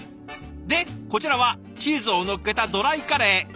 でこちらはチーズをのっけたドライカレー。